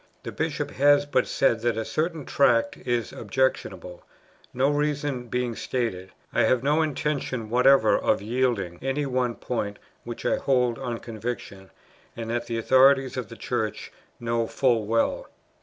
The Bishop has but said that a certain Tract is 'objectionable,' no reason being stated, I have no intention whatever of yielding any one point which I hold on conviction; and that the authorities of the Church know full well."